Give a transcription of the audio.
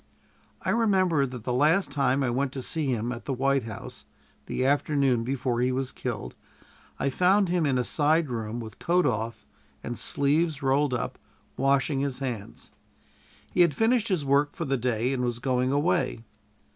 I remember that the last time I went to see him at the White House the afternoon before he was killed I found him in a side room with coat off and sleeves rolled up, washing his hands. He had finished his work for the day, and was going away.